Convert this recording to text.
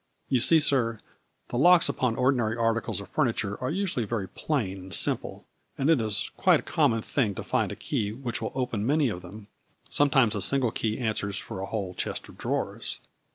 " You see, sir, the locks upon ordinary articles of furniture are usually very plain and simple, and it is quite a common thing to find a key which will open many of them, sometimes a single key answers for a whole chest of drawers."